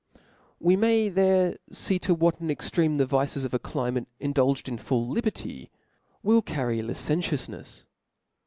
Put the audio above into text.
We may there fee to what an extreme the vices of a climate indulged in the full liberty, will carry licentioufnefs.